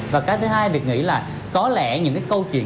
và cái thứ hai được nghĩ là có lẽ những cái câu chuyện